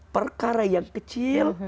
perkara yang kecil